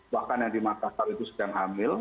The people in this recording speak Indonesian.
bahkan yang di makassar itu sedang hamil